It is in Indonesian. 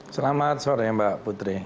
selamat sore mbak putri